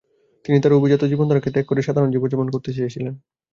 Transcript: তিনি তার অভিজাত জীবনধারাকে ত্যাগ করে সাধারন জীবন-যাপন করতে চেয়েছিলেন।